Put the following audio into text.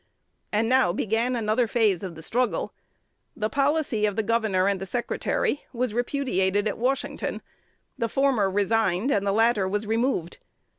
And now began another phase of the struggle. The policy of the Governor and the Secretary was repudiated at Washington: the former resigned, and the latter was removed.